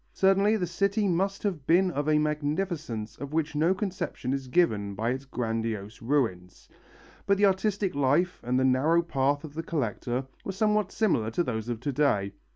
Certainly the city must have been of a magnificence of which no conception is given by its grandiose ruins. But the artistic life, and the narrow path of the collector, were somewhat similar to those of to day.